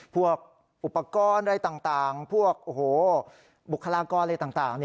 พวกอุปกรณ์อะไรต่างพวกบุคลากรอะไรต่าง